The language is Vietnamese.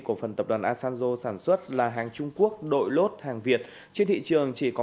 cổ phần tập đoàn asanzo sản xuất là hàng trung quốc đội lốt hàng việt trên thị trường chỉ có